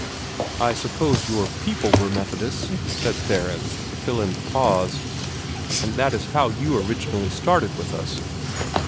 "I suppose your people were Methodists," said Theron, to fill in the pause, "and that is how you originally started with us."